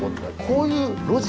こういう細い路地